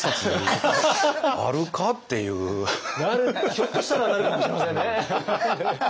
ひょっとしたらなるかもしれませんね。